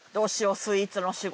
スイーツの仕事